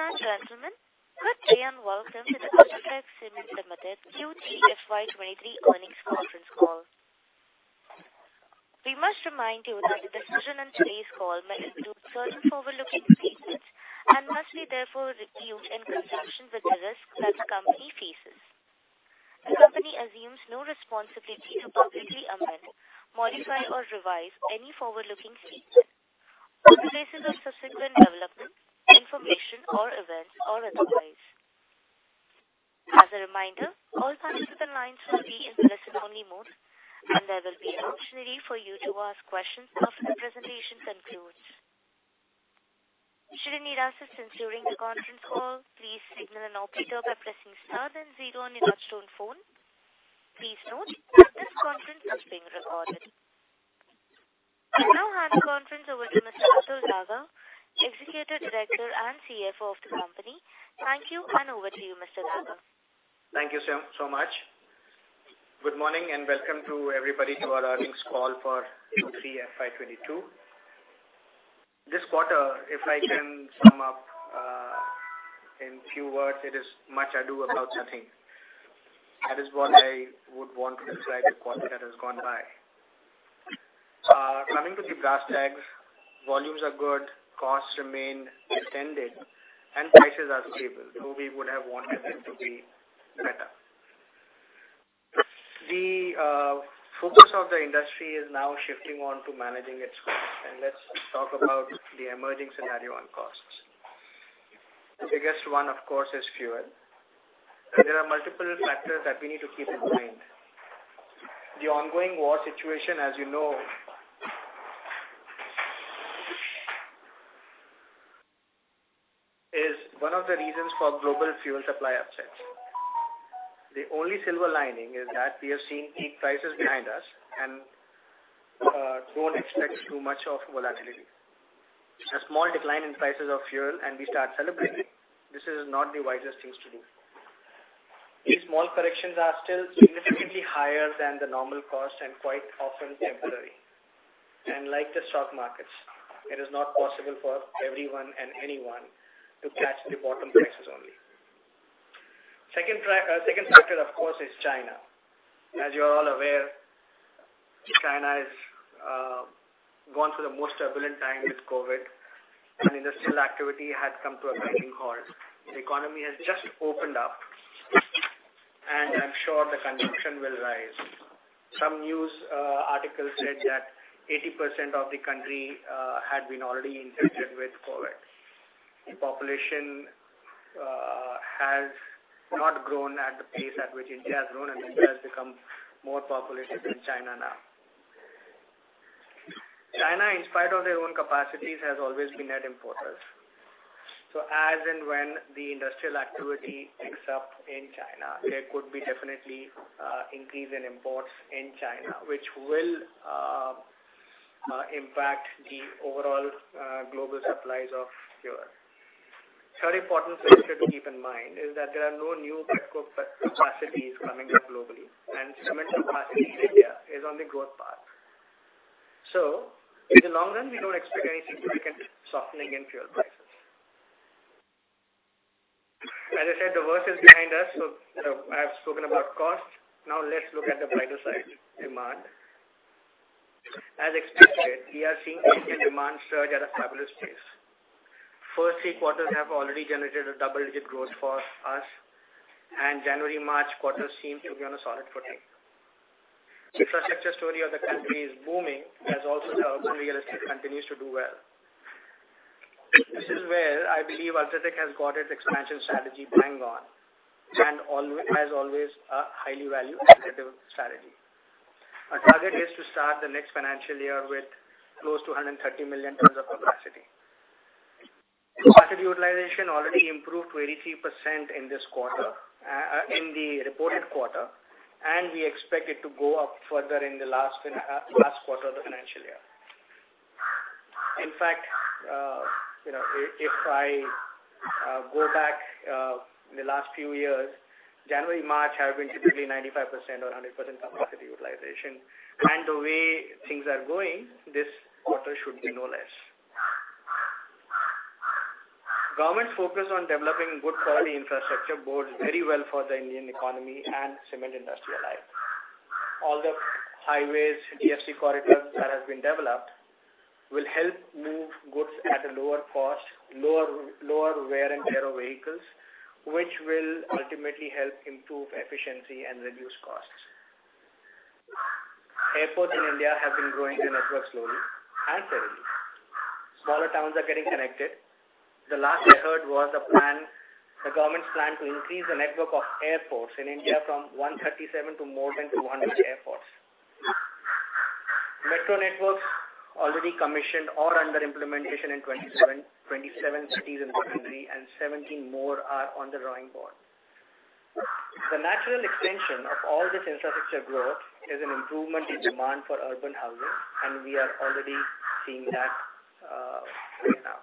Ladies and gentlemen, good day and welcome to the UltraTech Cement Limited Q3 FY 2023 earnings conference call. We must remind you that the discussion on today's call may include certain forward-looking statements and must be therefore be viewed in conjunction with the risks that the company faces. The company assumes no responsibility to publicly amend, modify or revise any forward-looking statements, other places of subsequent development, information or events or otherwise. As a reminder, all participant lines will be in listen only mode, and there will be an opportunity for you to ask questions after the presentation concludes. Should you need assistance during the conference call, please signal an operator by pressing star then zero on your touchtone phone. Please note that this conference is being recorded. I now hand the conference over to Mr. Atul Daga, Executive Director and CFO of the company. Thank you. Over to you, Mr. Daga. Thank you so much. Good morning and welcome to everybody to our earnings call for Q3 FY 2022. This quarter, if I can sum up, in few words, it is much ado about nothing. That is what I would want to describe the quarter that has gone by. Coming to the brass tags, volumes are good, costs remain extended and prices are stable, though we would have wanted them to be better. The focus of the industry is now shifting on to managing its costs. Let's talk about the emerging scenario on costs. The biggest one, of course, is fuel. There are multiple factors that we need to keep in mind. The ongoing war situation, as you know is one of the reasons for global fuel supply upsets. The only silver lining is that we have seen peak prices behind us and don't expect too much of volatility. A small decline in prices of fuel and we start celebrating. This is not the wisest things to do. These small corrections are still significantly higher than the normal cost and quite often temporary. Like the stock markets, it is not possible for everyone and anyone to catch the bottom prices only. Second factor, of course, is China. You're all aware, China is going through the most turbulent time with COVID and industrial activity has come to a grinding halt. The economy has just opened up, I'm sure the consumption will rise. Some news articles said that 80% of the country had been already infected with COVID. The population has not grown at the pace at which India has grown, and India has become more populous than China now. China, in spite of their own capacities, has always been net importers. As and when the industrial activity picks up in China, there could be definitely increase in imports in China, which will impact the overall global supplies of fuel. Third important factor to keep in mind is that there are no new pet coke facilities capacities coming up globally and cement capacity in India is on the growth path. In the long run, we don't expect any significant softening in fuel prices. As I said, the worst is behind us, so I have spoken about cost. Let's look at the brighter side, demand. As expected, we are seeing Indian demand surge at a fabulous pace. First three quarters have already generated a double-digit growth for us. January-March quarter seems to be on a solid footing. Infrastructure story of the country is booming, as also urban real estate continues to do well. This is where I believe UltraTech has got its expansion strategy bang on, as always, a highly value-additive strategy. Our target is to start the next financial year with close to 130 million tonnes of capacity. Capacity utilization already improved to 83% in this quarter, in the reported quarter, and we expect it to go up further in the last quarter of the financial year. In fact, you know, if I go back in the last few years, January to March have been typically 95% or 100% capacity utilization. The way things are going, this quarter should be no less. Government's focus on developing good quality infrastructure bodes very well for the Indian economy and cement industry alike. All the highways, DFC corridors that has been developed will help move goods at a lower cost, lower wear and tear of vehicles, which will ultimately help improve efficiency and reduce costs. Airports in India have been growing the network slowly and steadily. Smaller towns are getting connected. The last I heard was the plan, the government's plan to increase the network of airports in India from 137 to more than 200 airports. Metro networks already commissioned or under implementation in 27 cities in the country and 17 more are on the drawing board. The natural extension of all this infrastructure growth is an improvement in demand for urban housing, and we are already seeing that right now.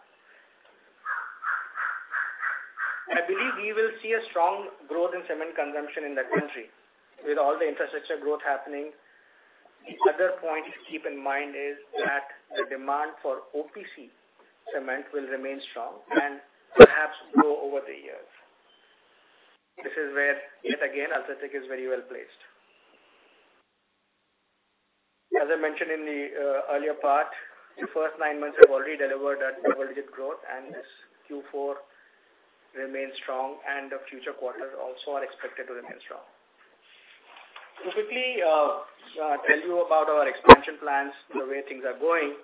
I believe we will see a strong growth in cement consumption in the country with all the infrastructure growth happening. The other point to keep in mind is that the demand for OPC cement will remain strong and perhaps grow over the years. This is where, yet again, UltraTech is very well-placed. As I mentioned in the earlier part, the first nine months have already delivered a double-digit growth, and this Q4 remains strong, and the future quarters also are expected to remain strong. To quickly tell you about our expansion plans and the way things are going,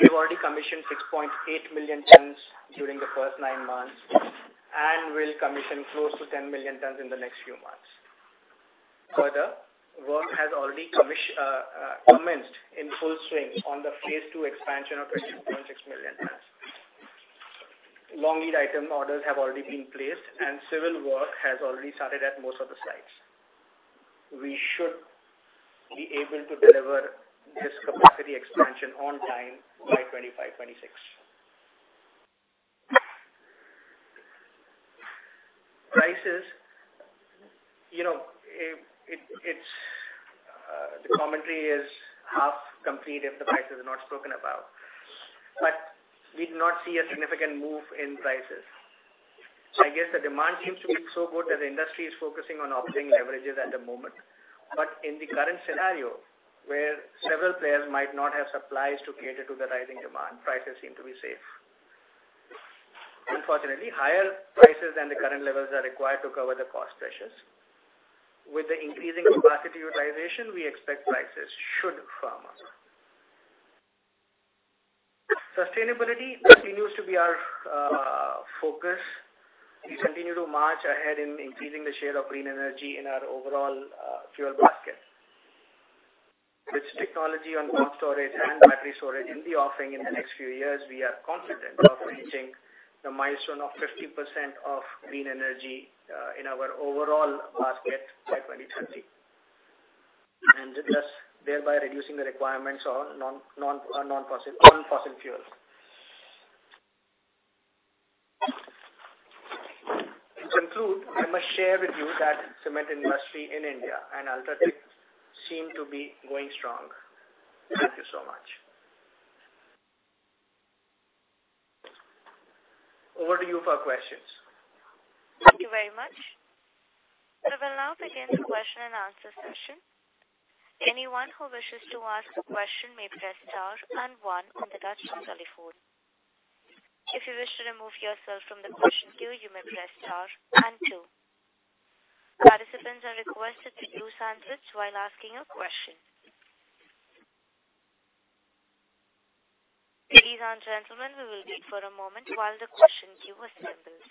we've already commissioned 6.8 million tonnes during the first nine months and will commission close to 10 million tonnes in the next few months. Further, work has already commenced in full swing on the phase II expansion of 20.6 million tonnes. Long lead item orders have already been placed, and civil work has already started at most of the sites. We should be able to deliver this capacity expansion on time by 2025, 2026. Prices, you know, it's the commentary is half complete if the price is not spoken about. We do not see a significant move in prices. I guess the demand seems to be so good that the industry is focusing on opting leverages at the moment. In the current scenario, where several players might not have supplies to cater to the rising demand, prices seem to be safe. Unfortunately, higher prices than the current levels are required to cover the cost pressures. With the increasing capacity utilization, we expect prices should firm up. Sustainability continues to be our focus. We continue to march ahead in increasing the share of green energy in our overall fuel basket. With technology on power storage and battery storage in the offing in the next few years, we are confident of reaching the milestone of 50% of green energy in our overall basket by 2030. Thus, thereby reducing the requirements on fossil fuels. To conclude, I must share with you that cement industry in India and UltraTech seem to be going strong. Thank you so much. Over to you for questions. Thank you very much. We will now begin the question and answer session. Anyone who wishes to ask a question may press star and one on the touch telephone. If you wish to remove yourself from the question queue, you may press star and two. Participants are requested to use hand lifts while asking a question. Ladies and gentlemen, we will wait for a moment while the question queue assembles.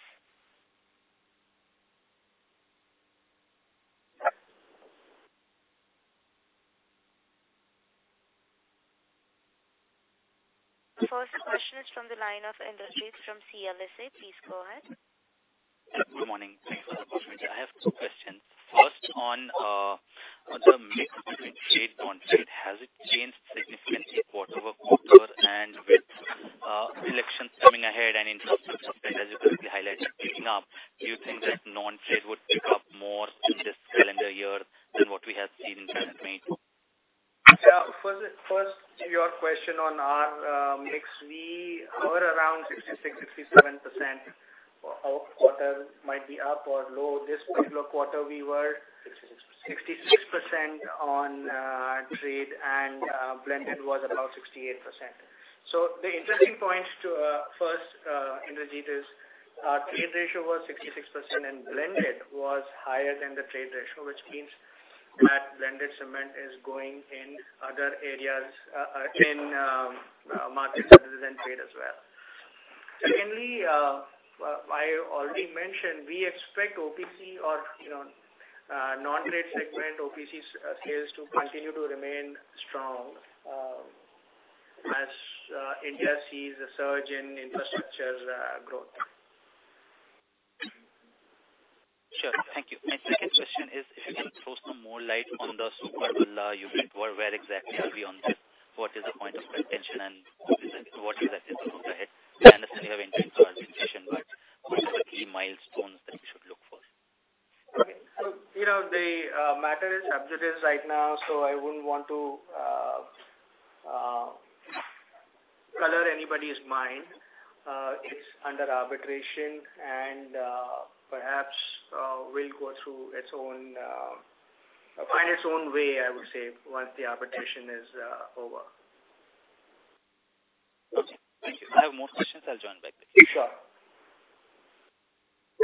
The first question is from the line of Indrajit Agarwal from CLSA. Please go ahead. Good morning. Thanks a lot for it. I have two questions. First, on the mix between trade, non-trade, has it changed significantly quarter-over-quarter? With elections coming ahead and infrastructure spend, as you correctly highlighted, picking up, do you think that non-trade would pick up more in this calendar year than what we have seen in June and May? Yeah. First, to your question on our mix. We were around 66%, 67%. Our quarter might be up or low. This particular quarter we were. 66%. 66% on trade and blended was about 68%. The interesting point to first, Indrajit, is our trade ratio was 66% and blended was higher than the trade ratio, which means that blended cement is going in other areas in markets other than trade as well. Secondly, I already mentioned, we expect OPC or, you know, non-trade segment, OPC sales to continue to remain strong as India sees a surge in infrastructure growth. Sure. Thank you. My second question is if you can throw some more light on the Super Dalla unit? Where exactly are we on that? What is the point of contention and what exactly is the road ahead? I understand you have entered into arbitration, what are the key milestones that we should look for? Okay. You know, the matter is subjudice right now, so I wouldn't want to color anybody's mind. It's under arbitration and perhaps will go through its own, find its own way, I would say, once the arbitration is over. Okay. Thank you. I have more questions. I'll join back later. Sure.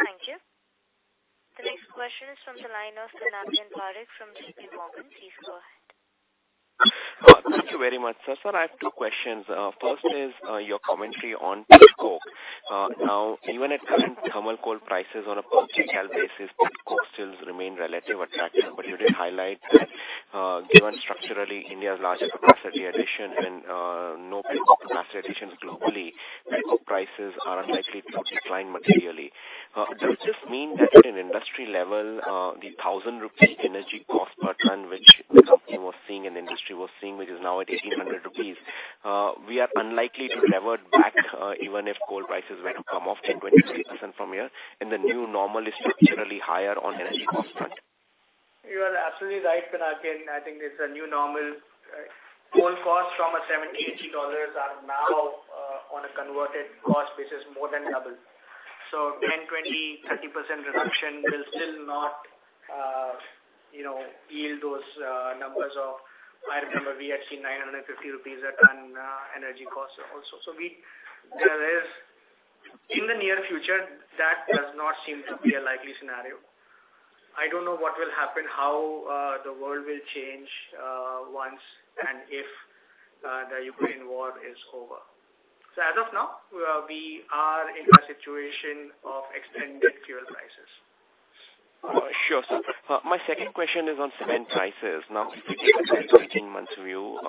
Thank you. The next question is from the line of Pinakin Parekh from JPMorgan. Please go ahead. Thank you very much, sir. Sir, I have two questions. First is your commentary on pet coke. Now, even at current thermal coal prices on a per kcal basis, pet coke still remain relative attractive. You did highlight that, given structurally India's largest capacity addition and no big capacity additions globally, pet coke prices are unlikely to decline materially. Does this mean that at an industry level, the 1,000 rupee energy cost per ton which the company was seeing, which is now at 1,800 rupees, we are unlikely to revert back, even if coal prices were to come off 10%, 20%, 30% from here, and the new normal is structurally higher on energy cost front. You are absolutely right, Pinakin. I think there's a new normal. Coal costs from a $70, $80 are now on a converted cost basis, more than double. 10%, 20%, 30% reduction will still not, you know, yield those numbers of, I remember we had seen 950 rupees a ton energy costs also. There is in the near future, that does not seem to be a likely scenario. I don't know what will happen, how the world will change once and if the Ukraine war is over. As of now, we are, we are in a situation of extended fuel prices. Sure, sir. My second question is on cement prices. If you take a 12 to 18 months view,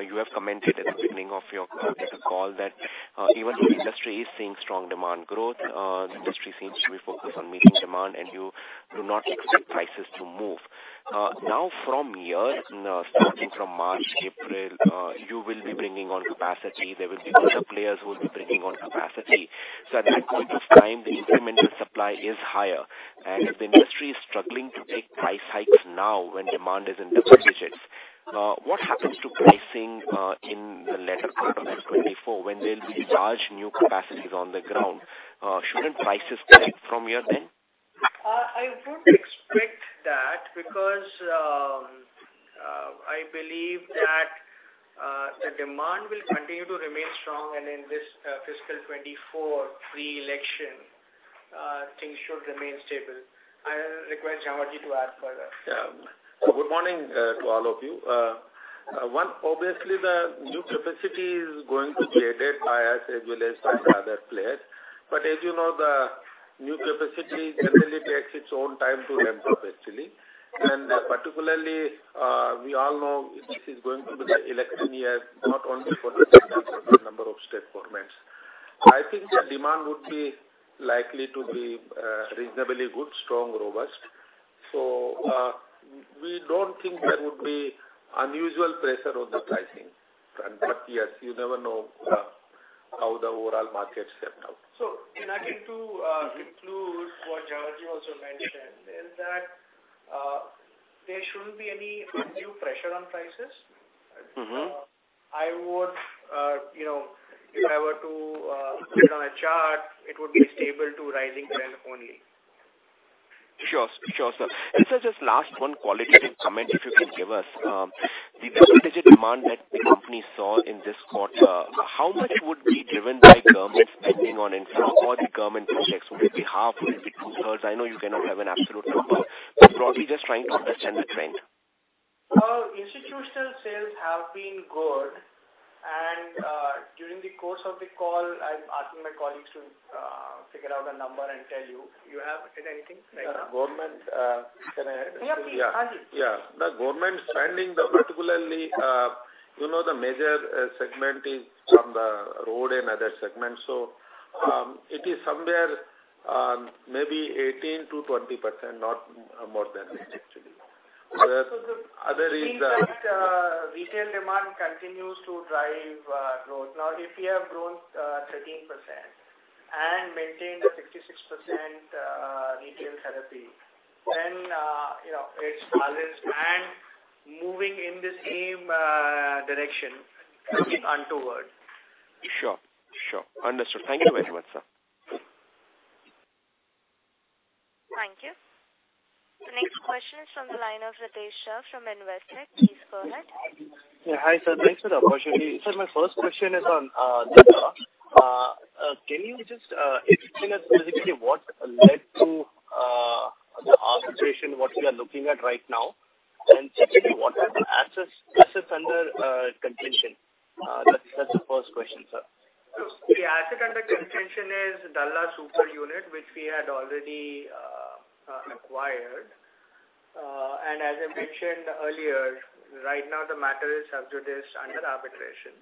you have commented at the beginning of your this call that even though industry is seeing strong demand growth, the industry seems to be focused on meeting demand and you do not expect prices to move. From here, starting from March, April, you will be bringing on capacity. There will be other players who will be bringing on capacity. At that point of time, the incremental supply is higher. If the industry is struggling to take price hikes now when demand is in double digits, what happens to pricing in the latter part of 2024 when there'll be large new capacities on the ground? Shouldn't prices correct from here? I wouldn't expect that because I believe that the demand will continue to remain strong and in this fiscal 2024 pre-election things should remain stable. I'll request Jhanwar Ji to add further. Good morning to all of you. One, obviously the new capacity is going to be aided by us as well as some of the other players. As you know, the new capacity generally takes its own time to ramp up actually. Particularly, we all know this is going to be the election year, not only for the central government but number of state governments. I think the demand would be likely to be reasonably good, strong, robust. We don't think there would be unusual pressure on the pricing. Yes, you never know how the overall market shaped out. Can I think to include what Jhanwar Ji also mentioned, is that, there shouldn't be any undue pressure on prices. Mm-hmm. I would, you know, if I were to put on a chart, it would be stable to rising trend only. Sure. Sure, sir. Sir, just last one qualitative comment, if you can give us. The double-digit demand that the company saw in this quarter, how much would be driven by government spending on infra or the government projects? Would it be half? Would it be two-thirds? I know you cannot have an absolute number, but broadly just trying to understand the trend. Institutional sales have been good and, during the course of the call, I'm asking my colleagues to figure out a number and tell you. You have anything right now? Yeah. Government. Yeah, please. Yeah. The government spending, the particularly, you know, the major, segment is from the road and other segments. It is somewhere, maybe 18%-20%, not more than this actually. The other is. It seems that retail demand continues to drive growth. If we have grown 13% and maintained a 66% retail therapy, then, you know, it's balanced and moving in the same direction onward. Sure. Sure. Understood. Thank you very much, sir. Thank you. The next question is from the line of Ritesh Shah from Investec. Please go ahead. Yeah, hi, sir. Thanks for the opportunity. Sir, my first question is on Dalla. Can you just explain us basically what led to the arbitration, what we are looking at right now? Secondly, what are the assets under contention? That's the first question, sir. The asset under contention is Dalla Super unit, which we had already acquired. As I mentioned earlier, right now the matter is sub judice under arbitration.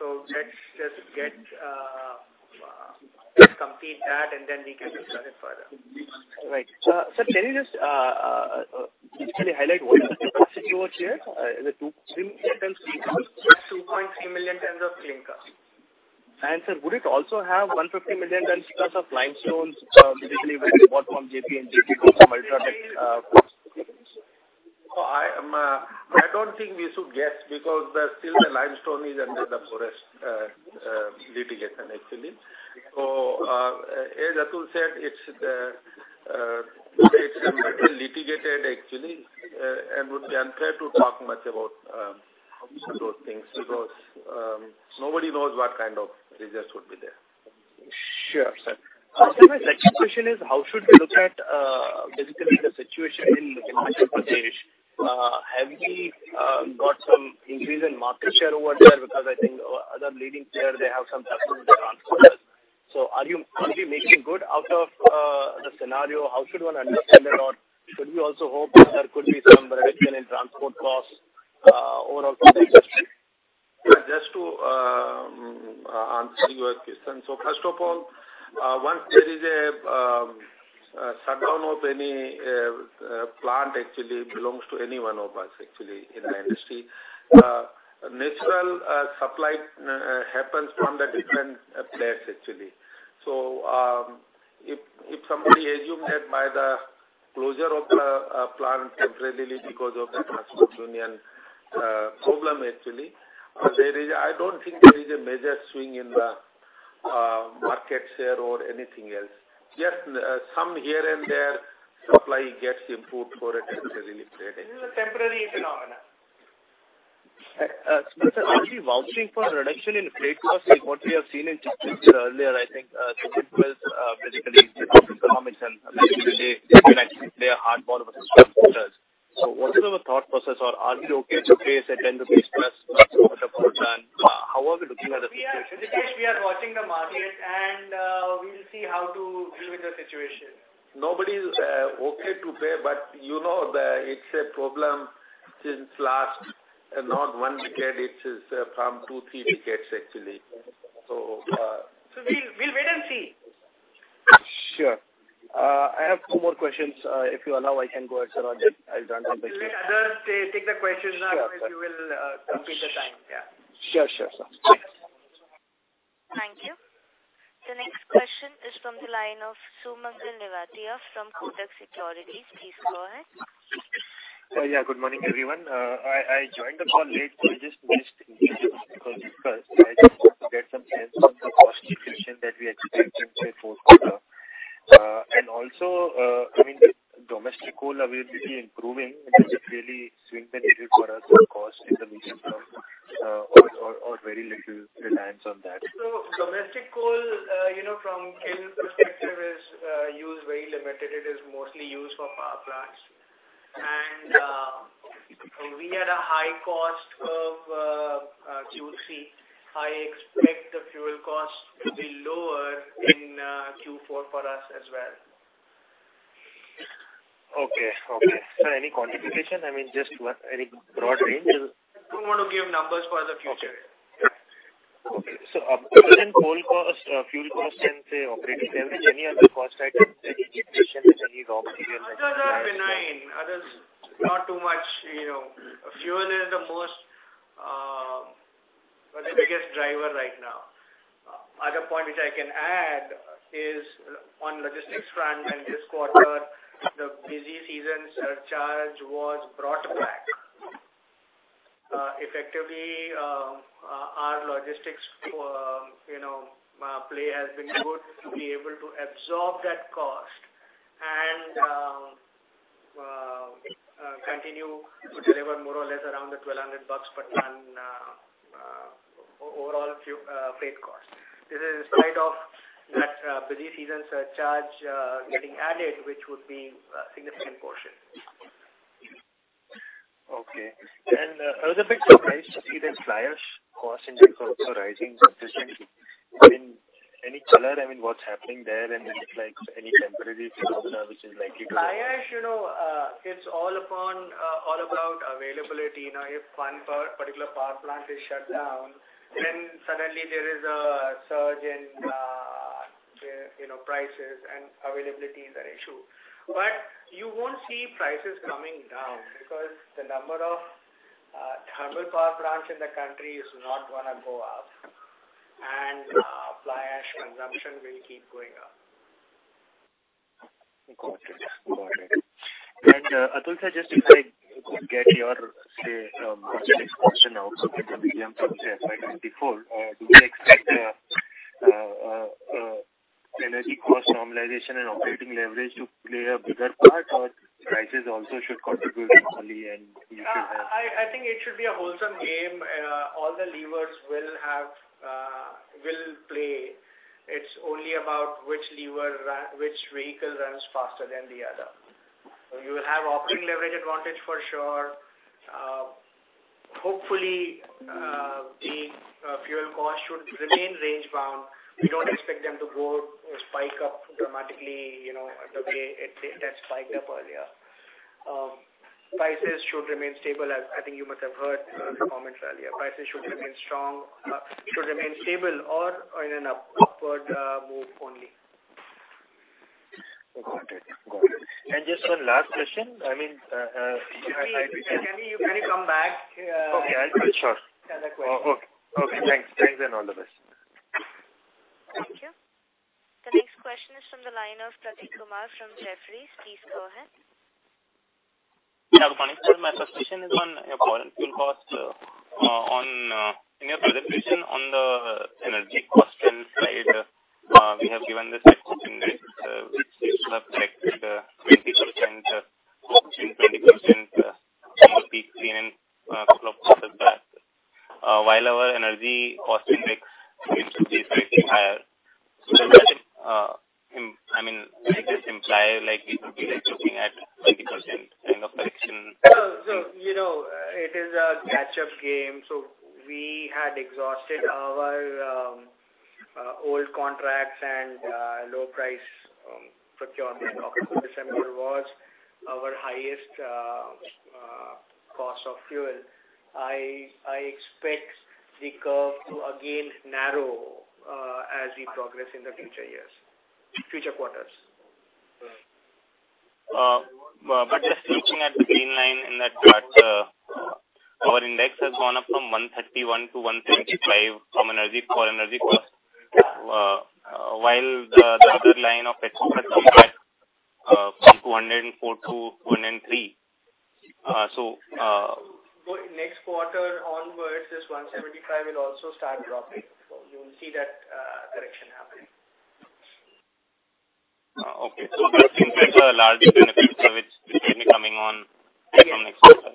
Let's just get, let's complete that and then we can discuss it further. Right. sir, can you just, basically highlight what is the capacity over here? Is it 2.3 million tonnes? 2.3 million tonnes of clinker. Sir, would it also have 150 million tonnes plus of limestone, basically which is bought from JP and JP bought from UltraTech, ports? I don't think we should guess because still the limestone is under the forest litigation actually. As Atul said, it's a matter litigated actually, and would be unfair to talk much about those things because nobody knows what kind of results would be there. Sure, sir. My second question is how should we look at basically the situation in Himachal Pradesh? Have we got some increase in market share over there? Because I think other leading player, they have some trouble with the transporters. Are you making good out of the scenario? How should one understand it or should we also hope that there could be some reduction in transport costs overall for the economy? On to your question. first of all, once there is a shutdown of any plant actually belongs to any one of us actually in the industry, natural supply happens from the different place actually. if somebody assumed that by the closure of the plant temporary because of the transport union problem actually, I don't think there is a major swing in the market share or anything else. Just some here and there supply gets improved for a temporary period. This is a temporary phenomenon. Sir, are we vouching for reduction in freight costs like what we have seen in Chhattisgarh earlier? I think cement folks, basically they talk economics and actually they can actually play a hardball with the transporters. What is our thought process or are we okay to pay, say, 10 rupees plus per kilometer per ton? How are we looking at it? Ritesh, we are watching the market and we'll see how to deal with the situation. Nobody is okay to pay. You know that it's a problem since last, not one decade, it is from two, three decades actually. We'll wait and see. Sure. I have two more questions. If you allow, I can go ahead, sir. I'll jump on this. Let others take the questions now because you will complete the time. Yeah. Sure, sure, sir. Thanks. Thank you. The next question is from the line of Sumangal Nevatia from Kotak Securities. Please go ahead. Yeah, good morning, everyone. I joined the call late, so I just missed the initial call because I just want to get some sense on the cost equation that we expect in, say, fourth quarter. I mean domestic coal availability improving, does it really swing the needle for us or cost in the recent term, or very little reliance on that? domestic coal, you know, from clinker perspective is used very limited. It is mostly used for power plants. we had a high cost of Q3. I expect the fuel cost to be lower in Q4 for us as well. Okay. Okay. Any quantification? I mean, just what any broad range? Don't want to give numbers for the future. Okay. Other than coal cost, fuel cost and say, operating leverage, any other cost items in addition with any raw material like- Others are benign. Others not too much, you know. Fuel is the most, the biggest driver right now. Other point which I can add is on logistics front, when this quarter the busy season surcharge was brought back. Effectively, our logistics, you know, play has been good to be able to absorb that cost and continue to deliver more or less around the INR 1,200 per ton, overall freight cost. This is spite of that, busy season surcharge getting added, which would be a significant portion. Okay. I was a bit surprised to see that fly ash costs index also rising sufficiently. I mean, any color, I mean, what's happening there and is it like any temporary phenomena which is likely to-? Fly ash, you know, it's all upon, all about availability. You know, if one power, particular power plant is shut down, then suddenly there is a surge in, you know, prices and availability is at issue. You won't see prices coming down because the number of thermal power plants in the country is not gonna go up. Fly ash consumption will keep going up. Got it. Got it. Atul, sir, just if I could get your logistics question now. With the medium term, FY 2024, do you expect energy cost normalization and operating leverage to play a bigger part or prices also should contribute equally and you should have- I think it should be a wholesome game. All the levers will have, will play. It's only about which lever which vehicle runs faster than the other. You will have operating leverage advantage for sure. Hopefully, the fuel cost should remain range bound. We don't expect them to go, spike up dramatically, you know, the way it had spiked up earlier. Prices should remain stable. As I think you must have heard in the comments earlier. Prices should remain strong. Should remain stable or in an upward move only. Got it. Got it. Just one last question. I mean. Can we, can you come back? Okay, I'm pretty sure. Another question. Okay. Okay, thanks. Thanks and all the best. Thank you. The next question is from the line of Prateek Kumar from Jefferies. Please go ahead. Yeah. Good morning, sir. My first question is on your fuel cost, on in your presentation on the energy cost trend slide. We have given this hydrogen guide, which we should have collected, 20%, in 20%, some of the clean and couple of other plants. While our energy cost index seems to be slightly higher. does that I mean, does this imply like we could be like looking at 20% kind of correction? You know, it is a catch-up game, so we had exhausted our old contracts and low price procurement. October to December was our highest cost of fuel. I expect the curve to again narrow as we progress in the future years. Future quarters. Just reaching at the green line in that chart, our index has gone up from 131 to 175 from energy for energy cost, while the other line of pet coke has come back from 204 to 203. Next quarter onwards, this 175 will also start dropping. You'll see that correction happening. Those impacts are largely benefits of it which will be coming on from next quarter.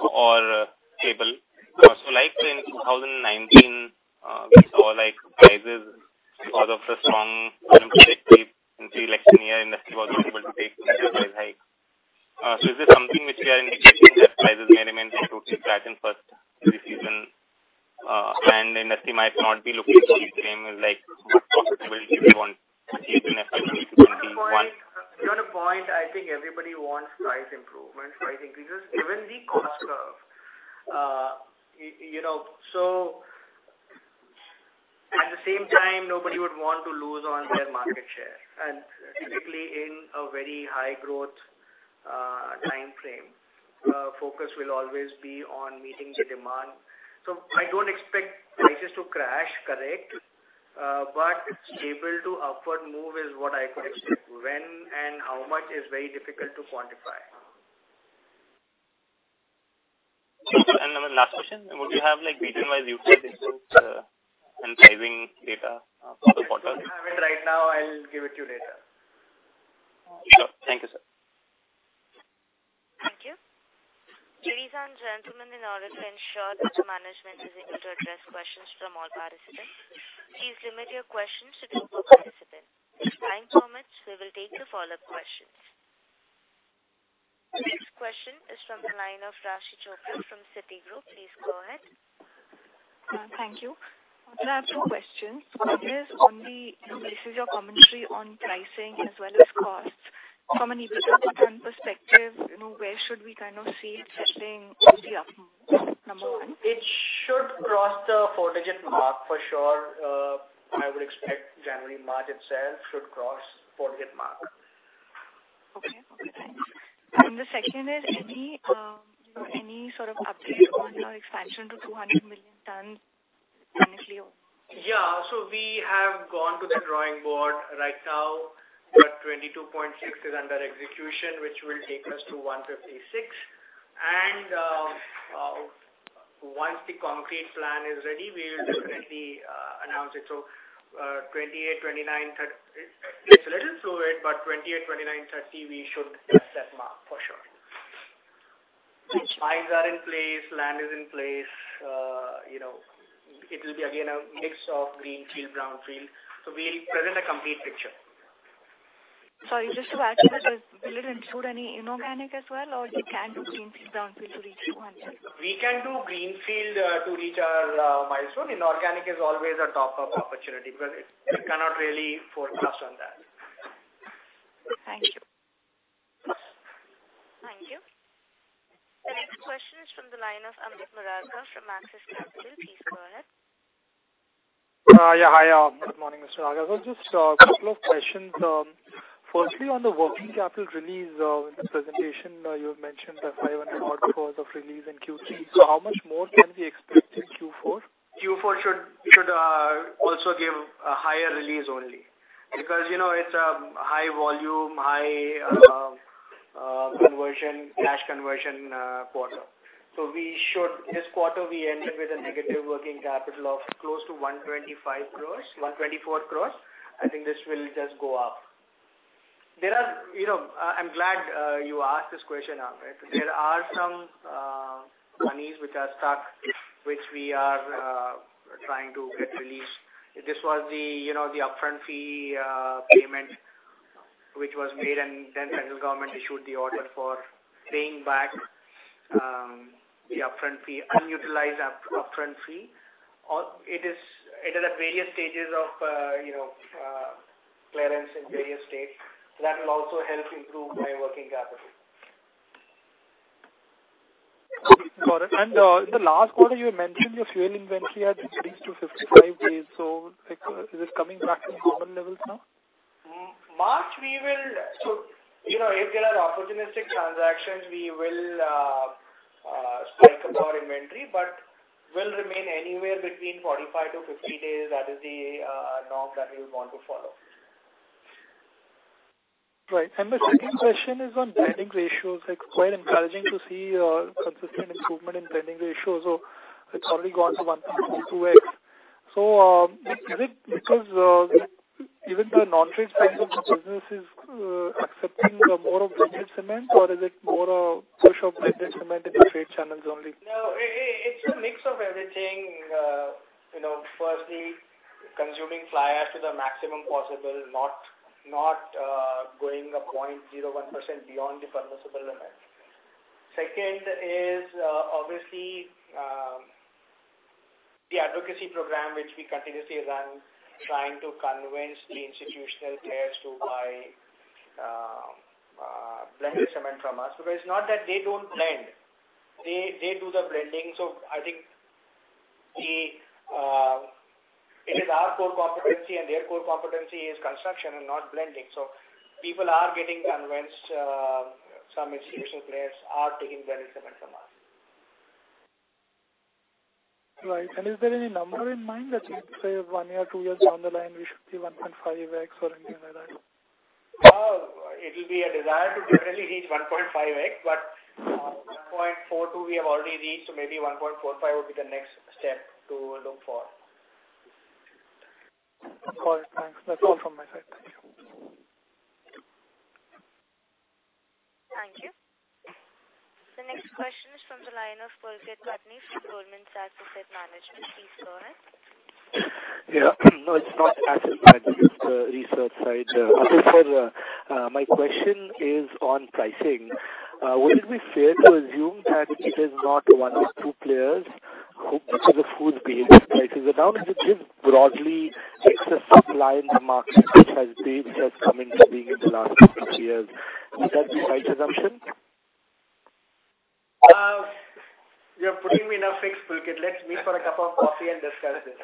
Yes. Okay. Secondly, on price, comment of sorts, remaining strong or stable. Like in 2019, we saw like prices because of the strong uncertainty in pre-election year, industry was not able to take price hike. Is this something which you are indicating that prices may remain sort of flat in first 3 seasons, and the industry might not be looking for the same like possibility we want season after season to be one. You have a point. You have a point. I think everybody wants price improvement, price increases given the cost curve. You know, at the same time nobody would want to lose on their market share. Typically in a very high growth time frame, focus will always be on meeting the demand. I don't expect prices to crash, correct. Stable to upward move is what I could expect. When and how much is very difficult to quantify. The last question, would you have like region wise usage and pricing data for the quarter? I don't have it right now. I'll give it to you later. Sure. Thank you, sir. Thank you. Ladies and gentlemen, in order to ensure that the management is able to address questions from all participants, please limit your questions to one per participant. If time permits, we will take the follow-up questions. The next question is from the line of Raashi Chopra from Citigroup. Please go ahead. Thank you. I have two questions. One is on this is your commentary on pricing as well as costs. From an EBITDA ton perspective, you know, where should we kind of see it settling on the up move? Number one. it should cross the four-digit mark for sure. I would expect January, March itself should cross four-digit mark. Okay. Okay, thanks. The second is any, you know, any sort of update on your expansion to 200 million tonnes financially? We have gone to the drawing board. Right now, our 22.6 is under execution, which will take us to 156. Once the concrete plan is ready, we will definitely announce it. 28, 29, it's a little slow it, but 28, 29, 30 we should hit that mark for sure. Thank you. Piles are in place, land is in place. You know, it will be again a mix of greenfield, brownfield. We'll present a complete picture. Sorry, just to add to that. Will it include any inorganic as well, or you can do greenfield, brownfield to reach 200? We can do greenfield to reach our milestone. Inorganic is always a top of opportunity because it, I cannot really forecast on that. Thank you. Thank you. The next question is from the line of Amit Murarka from Axis Capital. Please go ahead. Yeah. Hi. good morning, Mr. Agarwal. Just a couple of questions. firstly, on the working capital release, in the presentation, you have mentioned the 500 odd crores of release in Q3. How much more can we expect in Q4? Q4 should also give a higher release only because, you know, it's a high volume, high conversion, cash conversion quarter. This quarter we ended with a negative working capital of close to 125 crores, 124 crores. I think this will just go up. There are, you know, I'm glad you asked this question, Amit. There are some monies which are stuck, which we are trying to get released. This was the, you know, the upfront fee payment which was made and then Central Government issued the order for paying back the upfront fee, unutilized upfront fee. It is at various stages of, you know, clearance in various states. That will also help improve my working capital. Got it. In the last quarter, you had mentioned your fuel inventory had increased to 55 days. Like, is it coming back to normal levels now? March you know, if there are opportunistic transactions, we will spike up our inventory, will remain anywhere between 45-50 days. That is the norm that we want to follow. Right. The second question is on blending ratios. It's quite encouraging to see your consistent improvement in blending ratios. It's already gone to 1.42x. Is it because even the non-trade segment of the business is accepting the more of blended cement or is it more a push of blended cement in the trade channels only? No. It's a mix of everything. you know, firstly, Consuming fly ash to the maximum possible, not going a 0.01% beyond the permissible limit. Second is, obviously, the advocacy program which we continuously run trying to convince the institutional players to buy blended cement from us. It's not that they don't blend. They do the blending. I think it is our core competency and their core competency is construction and not blending. People are getting convinced, some institutional players are taking blended cement from us. Right. Is there any number in mind that you would say one year, two years down the line we should be 1.5x or anything like that? It will be a desire to definitely reach 1.5x, but 1.42x we have already reached, so maybe 1.45x will be the next step to look for. Got it. Thanks. That's all from my side. Thank you. Thank you. The next question is from the line of Pulkit Patni from Goldman Sachs Asset Management. Please go ahead. Yeah. No, it's not asset management. It's the research side. For my question is on pricing. Would it be fair to assume that it is not one or two players which are the full behavior prices are down? Is it just broadly excess supply in the market which has built and coming to being in the last couple of years? Would that be right assumption? You're putting me in a fix, Pulkit. Let's meet for a cup of coffee and discuss this.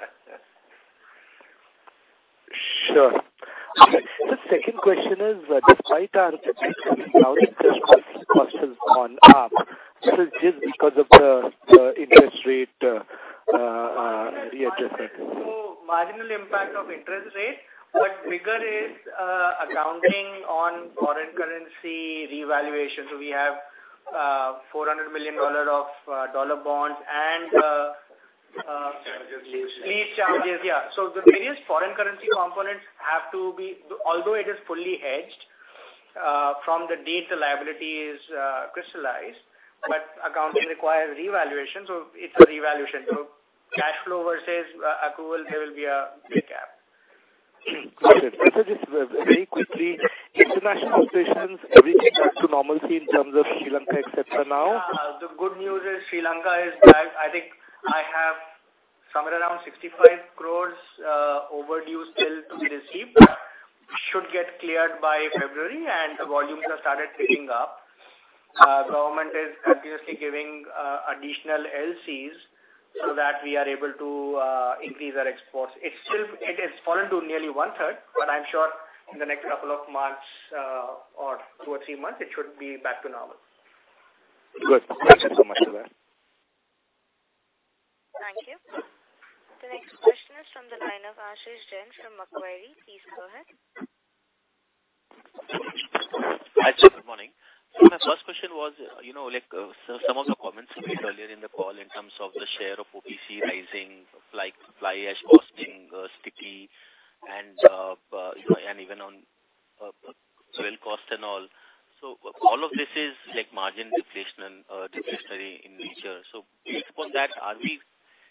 Sure. The second question is, despite our accounting costs on up, this is just because of the interest rate, readjustment. Marginal impact of interest rates, but bigger is accounting on foreign currency revaluation. We have $400 million of dollar bonds and lease charges. Yeah. The various foreign currency components have to be. Although it is fully hedged from the date the liability is crystallized, but accounting requires revaluation, so it's a revaluation. Cash flow versus accrual, there will be a big gap. Got it. Just very quickly, international operations, everything back to normalcy in terms of Sri Lanka et cetera now? The good news is Sri Lanka is back. I think I have somewhere around 65 crores overdue still to be received. Should get cleared by February. The volumes have started picking up. Government is continuously giving additional LCs so that we are able to increase our exports. It has fallen to nearly 1/3, but I'm sure in the next couple of months, or two or three months, it should be back to normal. Good. Thank you so much for that. Thank you. The next question is from the line of Ashish Jain from Macquarie. Please go ahead. Ashish, good morning. My first question was, you know, like, some of the comments you made earlier in the call in terms of the share of OPC rising, like, fly ash costing sticky and, you know, and even on oil cost and all. All of this is like margin deflation, deflationary in nature. Based upon that, are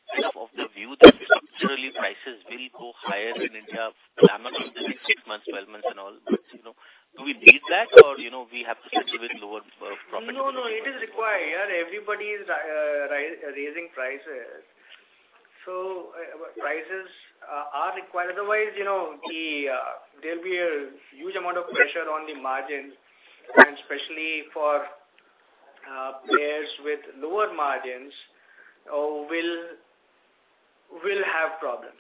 we kind of the view that structurally prices will go higher in India for a minimum of the next six months, 12 months and all? You know, do we need that or, you know, we have to settle with lower profit margins? No, no, it is required. Everybody is raising prices. Prices are required. Otherwise, you know, the, there'll be a huge amount of pressure on the margins and especially for players with lower margins will have problems.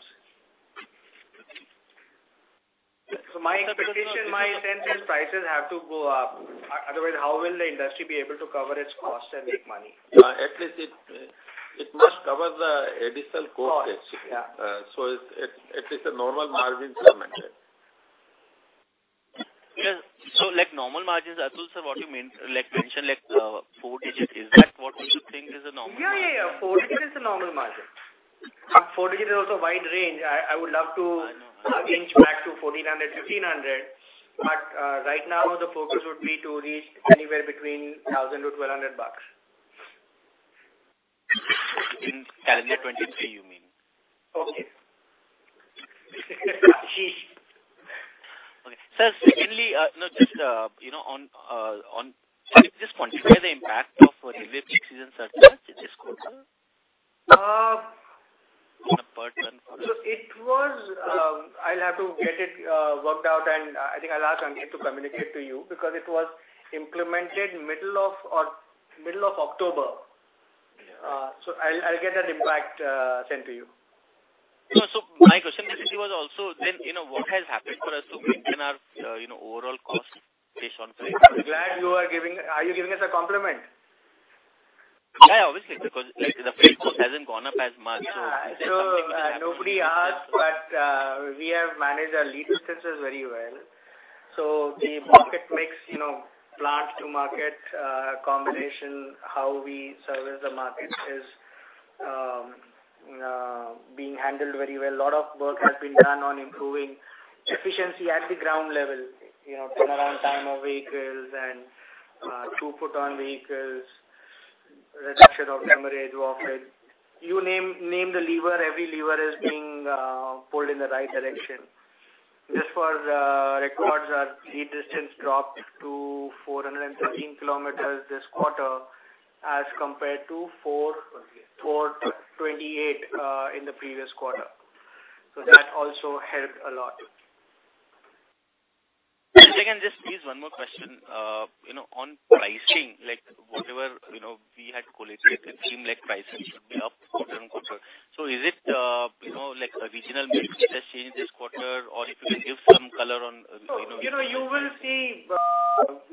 My expectation, my sense is prices have to go up. Otherwise, how will the industry be able to cover its cost and make money? At least it must cover the additional cost. Cost. Yeah. It's a normal margin for cement. Yes. Like normal margins, Atul sir, what do you mean? Like mention like, four-digit. Is that what you think is a normal margin? Yeah, yeah. Four-digit is a normal margin. Four digit is also a wide range. I. I know. -pinch back to 1,400, 1,500. Right now the focus would be to reach anywhere between INR 1,000-INR 1,200. In calendar 2023, you mean? Okay, Ashish. Okay. Sir, secondly, just, you know, on just considering the impact of railway season surcharge this quarter. Uh. The burden for this. It was, I'll have to get it, worked out and I think I'll ask Ankit to communicate to you because it was implemented middle of October. Yeah. I'll get that impact sent to you. No. My question actually was also then, you know, what has happened for us to maintain our, you know, overall cost based on freight? Are you giving us a compliment? Yeah, obviously, because like the freight cost hasn't gone up as much, so. Nobody asked, but we have managed our lead distances very well. The market mix, you know, plant to market combination, how we service the market is being handled very well. Lot of work has been done on improving efficiency at the ground level. You know, turnaround time of vehicles and to put on vehicles. Reduction of inventory, raw material. You name the lever, every lever is being pulled in the right direction. Just for the records, our lead distance dropped to 413 km this quarter as compared to 428 km in the previous quarter. That also helped a lot. Again, just please one more question. You know, on pricing, like whatever, you know, we had collated, it seemed like prices should be up quarter-on-quarter. Is it, you know, like a regional mix which has changed this quarter? If you can give some color on, you know... You know, you will see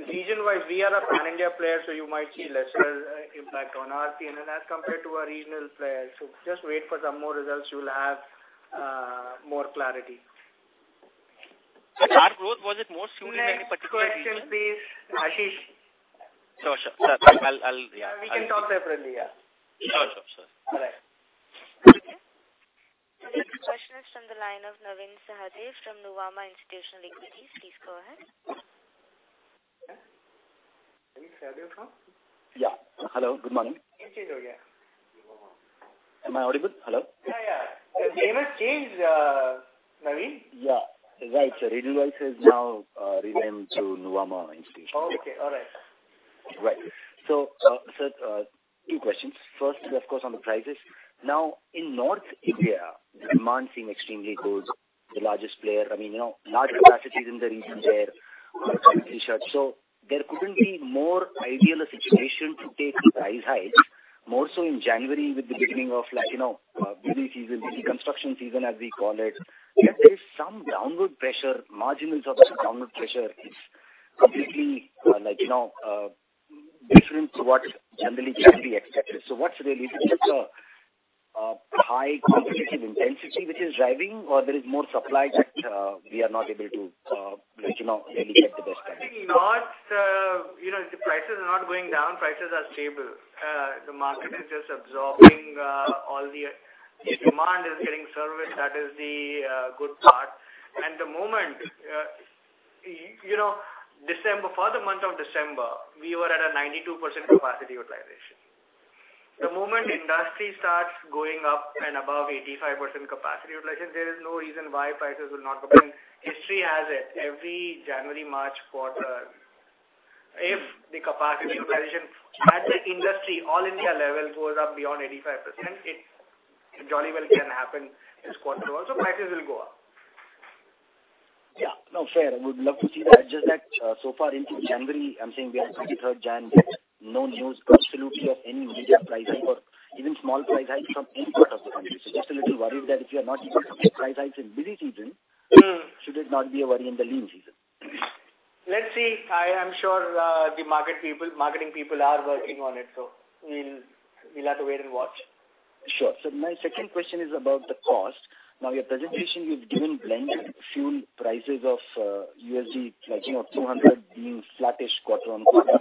region-wide, we are a pan-India player. You might see lesser impact on our P&L as compared to our regional players. Just wait for some more results. You will have more clarity. Our growth, was it more smooth in any particular region? Next question, please, Ashish. Sure. Sure. Yeah. We can talk separately. Yeah. Sure. Sure. All right. The next question is from the line of Navin Sahadeo from Nuvama Institutional Equities. Please go ahead. Navin Sahadeo from? Yeah. Hello. Good morning. Am I audible? Hello. Yeah, yeah. The name has changed, Navin? Yeah. Right. Edelweiss has now renamed to Nuvama Institutional Equities. Okay. All right. Right. Two questions. First is, of course, on the prices. Now, in North India, demand seem extremely good. The largest player, I mean, you know, large capacities in the region there. There couldn't be more ideal a situation to take price hikes, more so in January with the beginning of like, you know, busy season, the construction season as we call it. Yet there is some downward pressure, marginal downward pressure is completely, like, you know, different to what generally can be expected. What's the reason? Is it a, high competitive intensity which is driving or there is more supply that, we are not able to, like, you know, really get the best out of it? I think not, you know, the prices are not going down, prices are stable. The market is just absorbing, all the... The demand is getting serviced. That is the good part. The moment, you know, for the month of December, we were at a 92% capacity utilization. The moment industry starts going up and above 85% capacity utilization, there is no reason why prices will not go up. History has it, every January, March quarter, if the capacity utilization at the industry all India level goes up beyond 85%, it jolly well can happen this quarter also, prices will go up. Yeah. No, fair. I would love to see that. Just that, so far into January, I'm saying we are 23rd Jan. Yet, no news absolutely of any major price hike or even small price hike from any part of the country. just a little worried that if you are not able to take price hikes in busy season. Mm. should it not be a worry in the lean season? Let's see. I am sure, marketing people are working on it, so we'll have to wait and watch. Sure. Sir, my second question is about the cost. Now, your presentation, you've given blended fuel prices of USD like, you know, $200 being flattish quarter-on-quarter.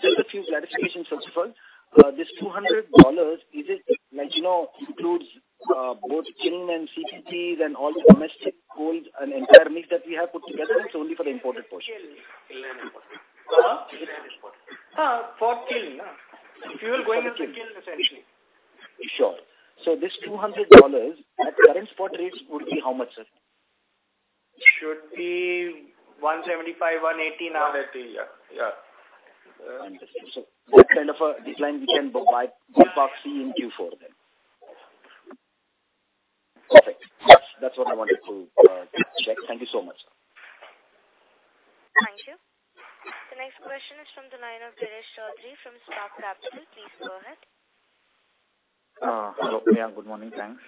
Just a few clarifications. First of all, this $200, is it like, you know, includes both kiln and CPP and all the domestic coals and entire mix that we have put together, or it's only for the imported portion? Kiln. Kiln and imported. Huh? Kiln and imported. Fuel going into the kiln essentially. Sure. This $200, at current spot rates would be how much, sir? Should be 175, 180 now. Yeah. Wonderful. What kind of a decline we can ballpark see in Q4 then? Perfect. That's what I wanted to check. Thank you so much. Thank you. The next question is from the line of Girish Choudhary from Spark Capital. Please go ahead. Hello. Good morning. Thanks.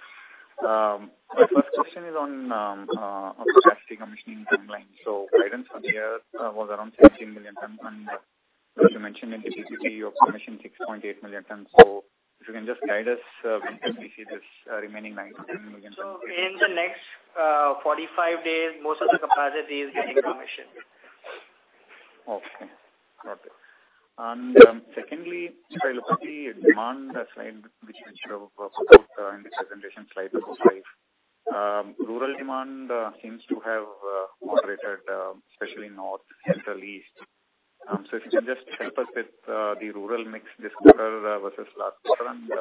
My first question is on the capacity commissioning timeline. Guidance for the year was around 13 million tonnes. As you mentioned in the PPT, you have commissioned 6.8 million tonnes. If you can just guide us, when can we see this remaining 9 million-10 million tonnes? In the next, 45 days, most of the capacity is getting commissioned. Okay. Got it. Secondly, sir, I look at the demand slide which you have put out in the presentation, slide number five. Rural demand seems to have moderated, especially North, Central, East. So if you can just help us with the rural mix this quarter versus last quarter, and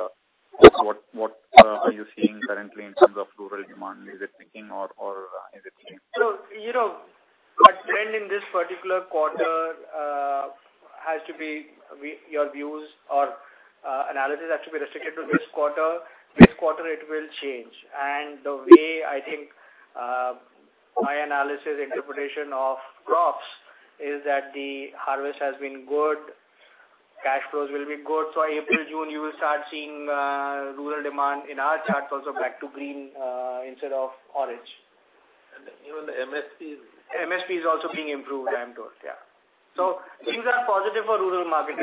what are you seeing currently in terms of rural demand? Is it picking or is it staying flat? You know, a trend in this particular quarter has to be your views or analysis has to be restricted to this quarter. Next quarter it will change. The way I think, my analysis interpretation of crops is that the harvest has been good, cash flows will be good. April, June, you will start seeing rural demand in our charts also back to green instead of orange. Even the MSP is. MSP is also being improved, I am told. Yeah. Things are positive for rural market.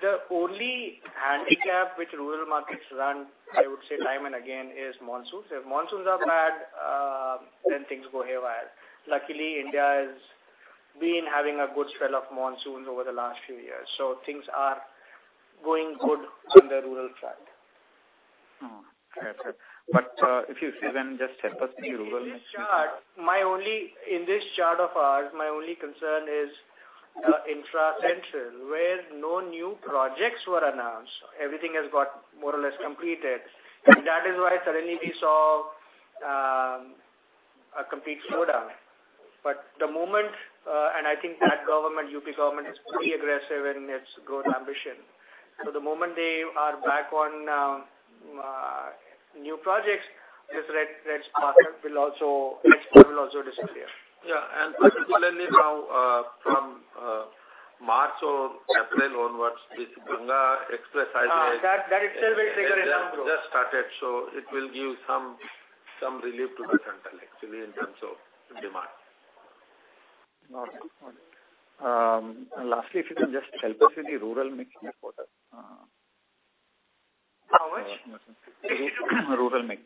The only handicap which rural markets run, I would say time and again, is monsoons. If monsoons are bad, things go haywire. Luckily, India has been having a good spell of monsoons over the last few years, things are going good on the rural front. Oh, fair. If you see then just tell us if you will... In this chart of ours, my only concern is intra-central, where no new projects were announced. Everything has got more or less completed. That is why suddenly we saw a complete slowdown. The moment, and I think that government, U.P. government is pretty aggressive in its growth ambition. The moment they are back on new projects, this red spot will also disappear. Yeah. particularly now, from March or April onwards, this Ganga Express Highway- That itself will trigger demand growth. Just started. It will give some relief to the central actually in terms of demand. All right. Lastly, if you can just help us with the rural mix report. How much? Rural mix.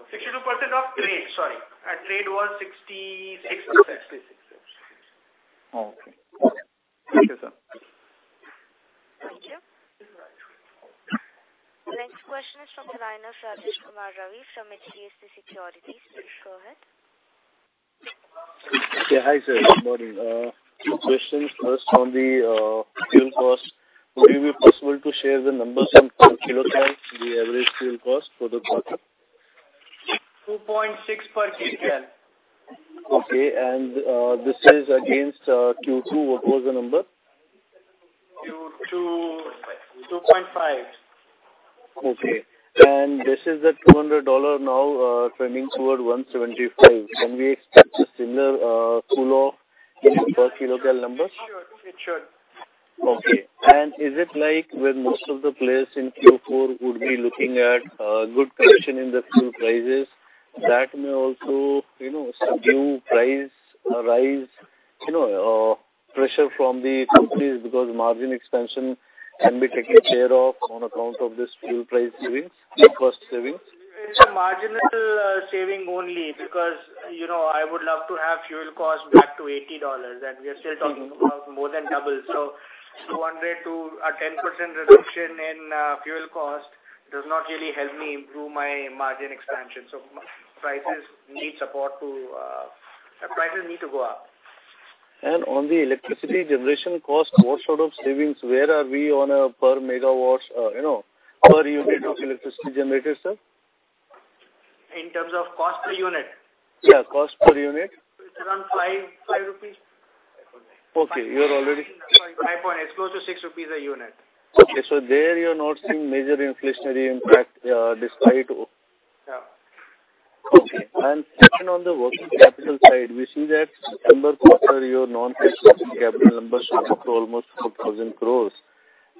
62% of trade, sorry. Our trade was 66%. Okay. Thank you, sir. Thank you. The next question is from the line of Rajesh Kumar Ravi from HDFC Securities. Please go ahead. Yeah. Hi, sir. Good morning. Two questions. First, on the fuel cost, would it be possible to share the numbers on kilo ton, the average fuel cost for the quarter? INR 2.6 per kcal. Okay. This is against Q2. What was the number? Q2, INR 2.5. Okay. This is at $200 now, trending toward $175. Can we expect a similar cool off in the per kilo cal numbers? Sure. It should. Okay. Is it like when most of the players in Q4 would be looking at, good correction in the fuel prices, that may also, you know, subdue price rise, you know, pressure from the companies because margin expansion can be taken care of on account of this fuel price savings, fuel cost savings? It's a marginal saving only because, you know, I would love to have fuel cost back to $80. We are still talking about more than double. $200 to a 10% reduction in fuel cost does not really help me improve my margin expansion. Prices need to go up. On the electricity generation cost, what sort of savings, where are we on a per megawatt, you know, per unit of electricity generated, sir? In terms of cost per unit? Yeah, cost per unit. It's around 5 rupees. Okay. You're already. 5.9. It's close to 6 rupees per unit. Okay. There you're not seeing major inflationary impact, despite... Yeah. Okay. Second, on the working capital side, we see that September quarter, your non-cash working capital numbers show almost 4,000 crore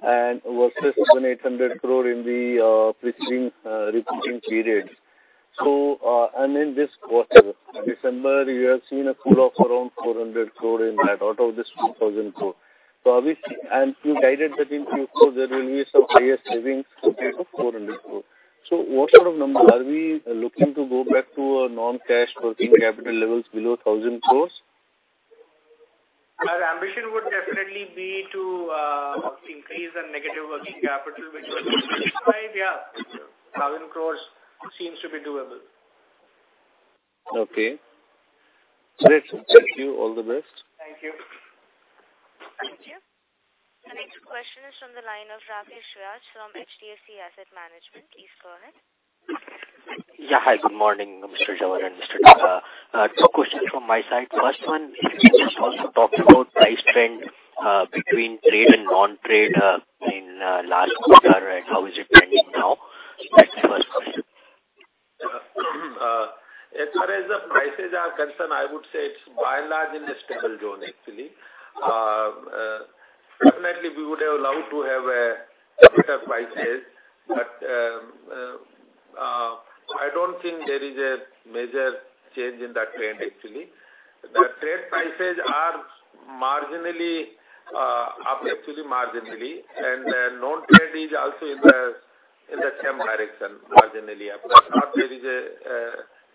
versus 700-800 crore in the preceding period. In this quarter, December, you have seen a cool of around 400 crore in that, out of this 2,000 crore. And you guided that in Q4 there will be some higher savings of 400 crore. What sort of number are we looking to go back to a non-cash working capital levels below 1,000 crore? Our ambition would definitely be to increase the negative working capital, which was INR 125. Yeah. 1,000 crore seems to be doable. Okay. Great. Thank you. All the best. Thank you. Thank you. The next question is from the line of Rakesh Vyas from HDFC Asset Management. Please go ahead. Yeah. Hi, good morning, Mr. Jhanwar and Mr. Daga. Two questions from my side. First one, if you could just also talk about price trend, between trade and non-trade, in last quarter and how is it trending now? That's the first question. As far as the prices are concerned, I would say it's by and large in a stable zone actually. Certainly we would have loved to have better prices. I don't think there is a major change in that trend actually. The trade prices are marginally up actually marginally, and then non-trade is also in the same direction, marginally up. There is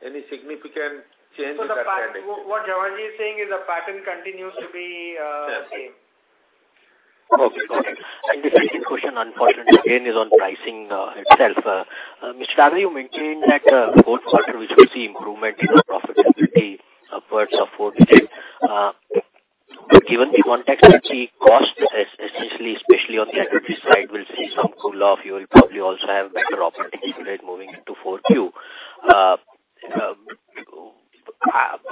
any significant change in that trend. What Jhanwar Ji is saying is the pattern continues to be the same. Yes. Okay, got it. The second question, unfortunately, again, is on pricing itself. Mr. Daga, you mentioned that fourth quarter we should see improvement in the profitability upwards of four digits. Given the context that the costs essentially, especially on the energy side, will see some cool off, you will probably also have better operating spread moving into 4Q.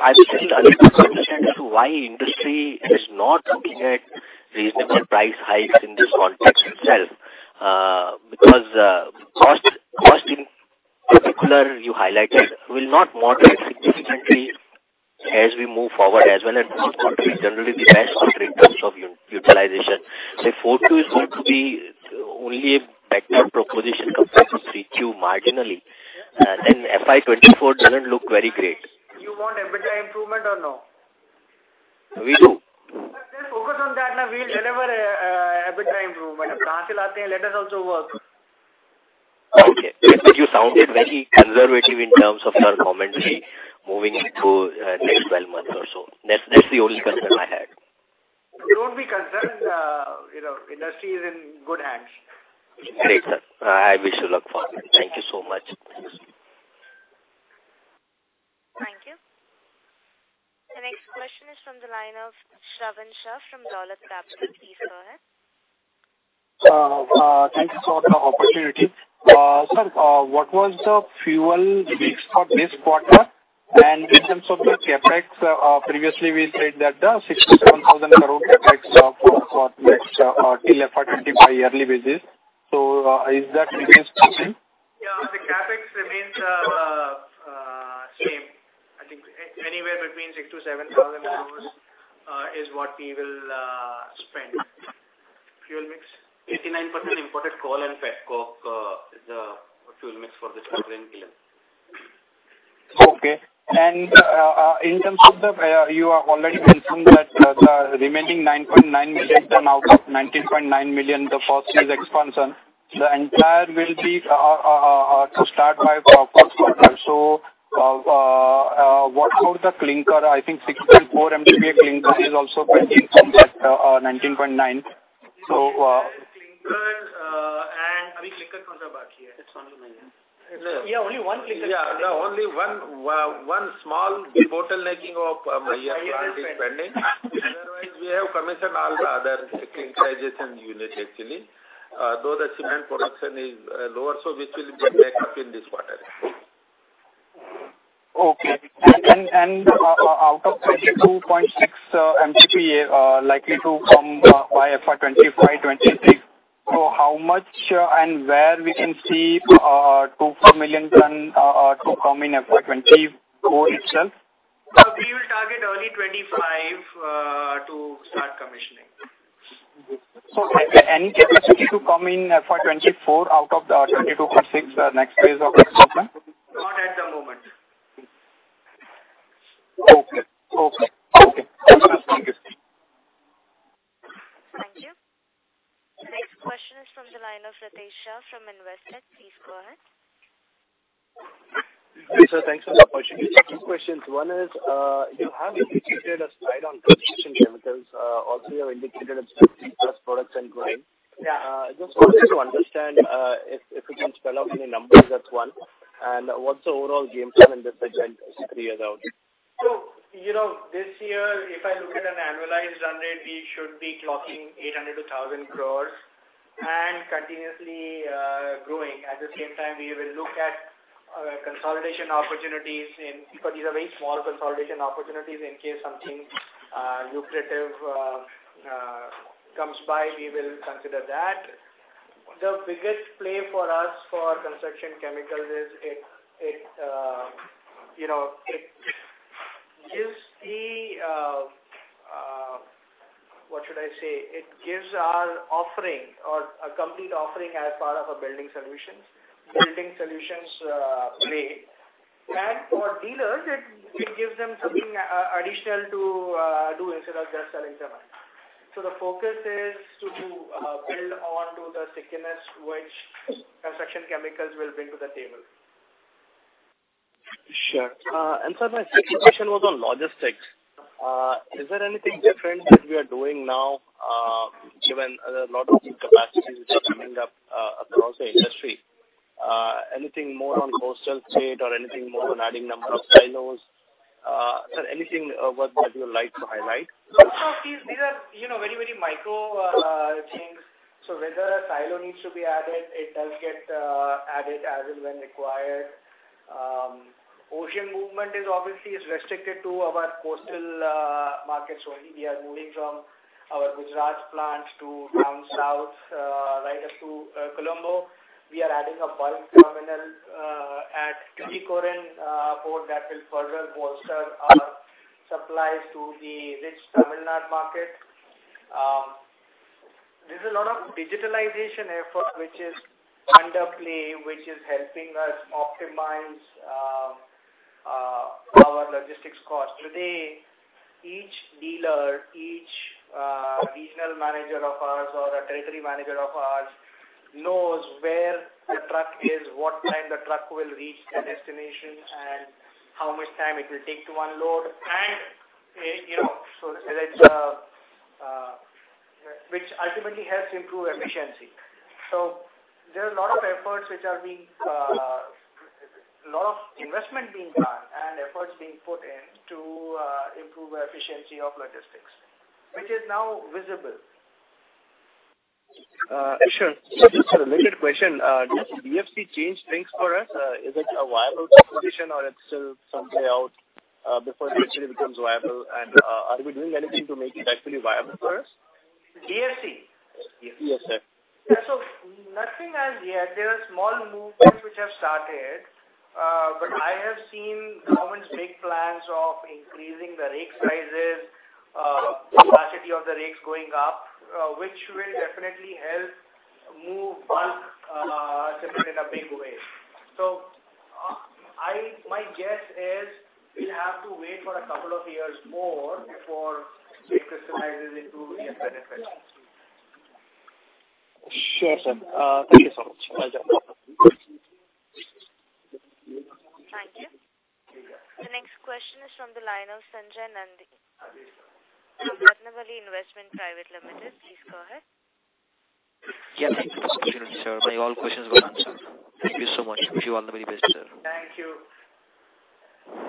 I'm just a little concerned as to why industry is not looking at reasonable price hikes in this context itself. Because cost in particular you highlighted will not moderate significantly as we move forward as well as this quarter is generally the best in terms of utilization. 4Q is going to be only a better proposition compared to 3Q marginally. FY 2024 doesn't look very great. You want EBITDA improvement or no? We do. Just focus on that, and we'll deliver, EBITDA improvement. You sounded very conservative in terms of your commentary moving into next 12 months or so. That's the only concern I have. We can turn, you know, industry is in good hands. Great, sir. I wish you luck for it. Thank you so much. Thank you. The next question is from the line of Shravan Shah from Dolat Capital. Please go ahead. Thank you so much for the opportunity. Sir, what was the fuel mix for this quarter? In terms of the CapEx, previously we said that the INR 6,000-7,000 crore CapEx of for next till FY 2025 yearly basis. Is that remains the same? Yeah, the CapEx remains same. I think anywhere between INR 6,000 crore-INR 7,000 crore is what we will spend. Fuel mix. 89% imported coal and pet coke, the fuel mix for this quarter in kiln. Okay. In terms of the, you have already mentioned that, the remaining 9.9 million tonne out of 19.9 million, the first phase expansion, the entire will be to start by first quarter. What about the clinker? I think 6.4 MTPA clinker is also pending from that 19.9 million. Clinker, I mean clinker from, now which one remaining. Yeah, only one clinker. Yeah. Only one small bottlenecking of Maihar plant is pending. Otherwise, we have commissioned all the other clinkerization unit actually. Though the cement production is lower, which will get make up in this quarter. Okay. Out of 22.6 MTPA, likely to come by FY 2025, 2026. How much, and where we can see, 2 million, 4 million tonne, to come in FY 2024 itself? We will target early 2025, to start commissioning. any capacity to come in FY 2024 out of the 22.6 million tonne, next phase of expansion? Not at the moment. Okay. Okay. Okay. That's what I was thinking. Thank you. The next question is from the line of Ritesh Shah from Investec. Please go ahead. Sir, thanks for the opportunity. Two questions. One is, you have indicated a slide on construction chemicals. Also, you have indicated it's 50+ products and growing. Yeah. Just wanted to understand, if you can spell out any numbers, that's one. What's the overall game plan in this segment three years out? You know, this year, if I look at an annualized run rate, we should be clocking 800 crore-1,000 crore and continuously growing. At the same time, we will look at consolidation opportunities. Because these are very small consolidation opportunities in case something lucrative comes by, we will consider that. The biggest play for us for construction chemicals is it, you know, it gives the, what should I say? It gives our offering or a complete offering as part of a building solutions play. For dealers, it gives them something additional to do instead of just selling cement. The focus is to build on to the stickiness which construction chemicals will bring to the table. Sure. Sir, my second question was on logistics. Is there anything different that we are doing now, given a lot of capacities which are coming up across the industry? Anything more on coastal state or anything more on adding number of silos? Sir, anything that you would like to highlight? Lot of these are, you know, very, very micro things. Whether a silo needs to be added, it does get added as and when required. Ocean movement is obviously restricted to our coastal markets only. We are moving from our Gujarat plant to down south, right up to Colombo. We are adding a bulk terminal at Tuticorin port that will further bolster our supplies to the rich Tamil Nadu market. There's a lot of digitalization effort which is under play, which is helping us optimize our logistics cost. Today, each dealer, each regional manager of ours or a territory manager of ours knows where the truck is, what time the truck will reach the destination, and how much time it will take to unload. You know, as I said, which ultimately helps improve efficiency. There are a lot of efforts which are being, lot of investment being done and efforts being put in to improve the efficiency of logistics, which is now visible. Sure. Just a related question. Does DFC change things for us? Is it a viable proposition or it's still some way out, before it actually becomes viable? Are we doing anything to make it actually viable for us? DFC? Yes, sir. Yeah. Nothing as yet. There are small movements which have started. I have seen governments make plans of increasing the rake sizes, capacity of the rakes going up, which will definitely help move bulk cement in a big way. My guess is we'll have to wait for a couple of years more before big sizes improve and benefit. Sure, sir. Thank you so much. Next question is from the line of Sanjay Nandi from Ratnavali Investment Private Limited. Please go ahead. Yeah. Thank you for this opportunity, sir. My all questions were answered. Thank you so much. Wish you all the very best, sir. Thank you.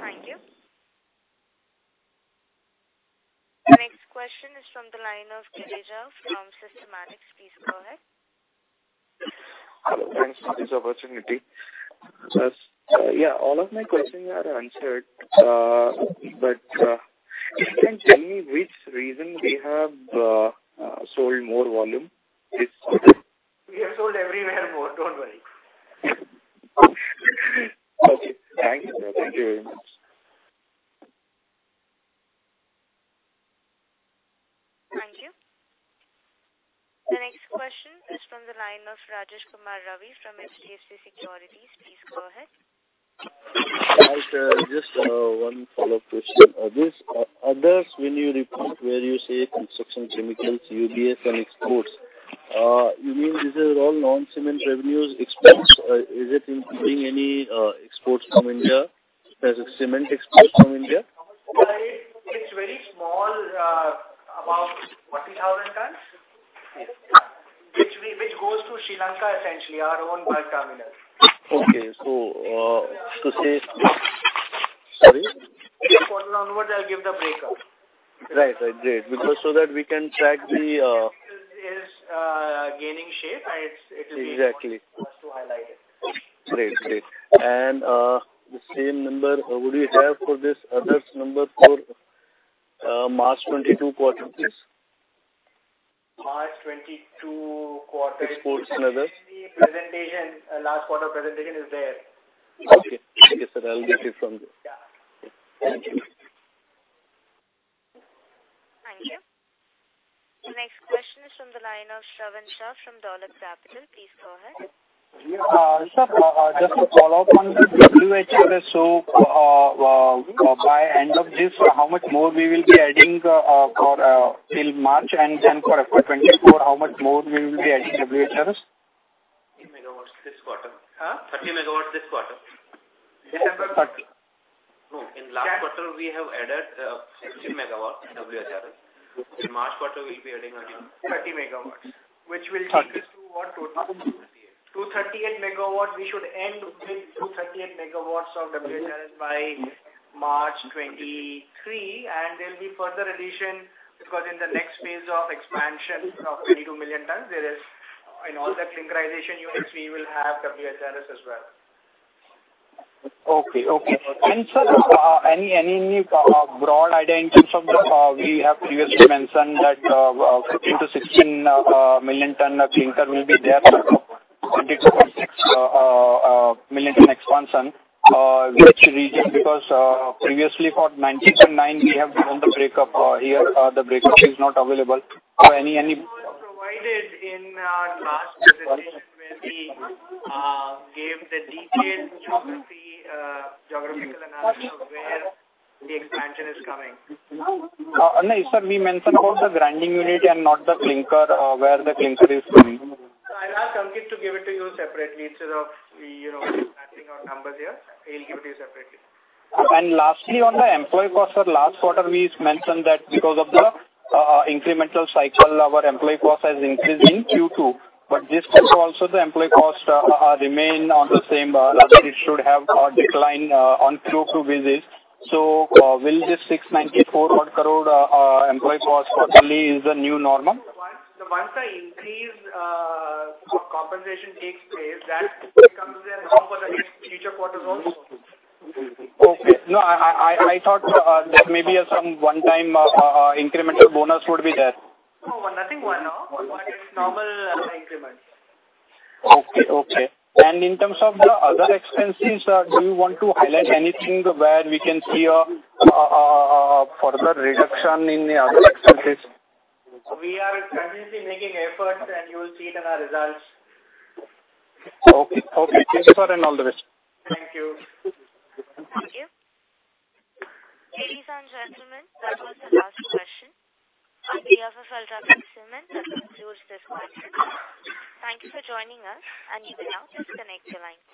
Thank you. The next question is from the line of Girija from Systematix. Please go ahead. Hello. Thanks for this opportunity. Yeah, all of my questions are answered. If you can tell me which region we have sold more volume. We have sold everywhere more, don't worry. Okay. Thank you. Thank you very much. Thank you. The next question is from the line of Rajesh Kumar Ravi from HDFC Securities. Please go ahead. Hi, sir. Just one follow-up question. This others when you report where you say construction chemicals, Waterproofing and exports, you mean this is all non-cement revenues expense? Is it including any exports from India as a cement export from India? It's very small, about 40,000 tons. Okay. Which goes to Sri Lanka, essentially, our own bulk terminal. Okay. Sorry. In the quarter onward I'll give the breakup. Right. Right. Great. So that we can track the. Is gaining shape. I Exactly. for us to highlight it. Great. Great. The same number, what do you have for this others number for, March 2022 quarter, please? March 2022 quarter. Exports and others. The presentation, last quarter presentation is there. Okay. Thank you, sir. I'll get it from there. Yeah. Thank you. Thank you. The next question is from the line of Shravan Shah from Dolat Capital. Please go ahead. Sir, just to follow up on WHRS. By end of this how much more we will be adding, for, till March? For FY 2024 how much more we will be adding WHRS? 30 megawatts this quarter. Huh? 30 MW this quarter. This quarter 30- No. In last quarter we have added 16 MW WHRS. In March quarter we'll be adding again 30 MW, which will take us to what total? 238 MW. We should end with 238 MW of WHRS by March 2023. There'll be further addition because in the next phase of expansion of 22 million tonnes. In all that clinkerization units we will have WHRS as well. Okay. Okay. Sir, any broad idea in terms of the, we have previously mentioned that, 15 million-16 million tonnes of clinker will be there for 22.6 million tonnes expansion, which region? Because, previously for 19.9 million we have given the breakup. here, the breakup is not available. It was provided in last presentation where we gave the detailed geography, geographical analysis of where the expansion is coming. No. Sir, we mentioned about the grinding unit and not the clinker, where the clinker is coming. I'll ask Ankit to give it to you separately instead of, you know, passing out numbers here. He'll give it to you separately. Lastly, on the employee cost for last quarter, we mentioned that because of the incremental cycle our employee cost has increased in Q2. This quarter also the employee cost remain on the same as it should have declined on through basis. Will this 694 crore employee cost certainly is the new normal? Once the increase, compensation takes place that becomes a norm for the next future quarters also. Okay. No, I thought, there may be some one time, incremental bonus would be there. No. Nothing one-off, but it's normal increment. Okay. Okay. In terms of the other expenses, do you want to highlight anything where we can see a further reduction in the other expenses? We are constantly making efforts, and you will see it in our results. Okay. Okay. Thanks, sir, and all the best. Thank you. Thank you. Ladies and gentlemen, that was the last question. On behalf of UltraTech Cement, let us conclude this conference call. Thank you for joining us, and you may now disconnect your lines.